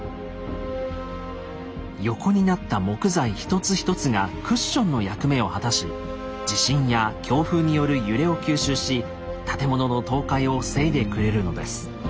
横になった木材一つ一つがクッションの役目を果たし地震や強風による揺れを吸収し建物の倒壊を防いでくれるのです。